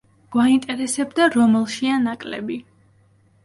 გვაინტერესებდა, რომელშია ნაკლები.